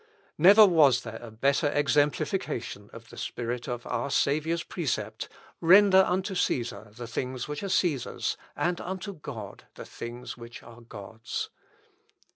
Never was there a better exemplification of the spirit of our Saviour's precept "Render unto Cæsar the things which are Cæsar's, and unto God the things which are God's."